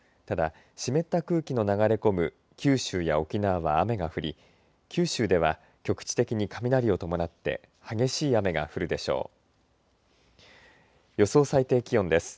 ただ、湿った空気の流れ込む九州や沖縄は雨が降り九州では局地的に雷を伴って激しい雨が降るでしょう。